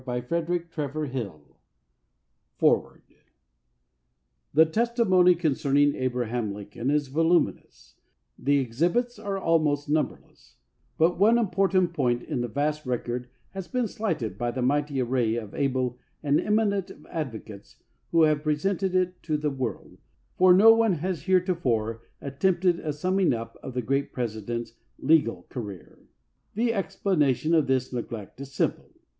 .. 308 ••• Xlll FOREWORD The testimony concerning Abraham Lincoln is voluminous — the exhibits are almost numberless ; but one important point in the vast record has been slighted by the mighty array of able and eminent advocates who have presented it to the world, for no one has heretofore attempted a summing up of the great President's legal career. The explanation of this neglect is simple.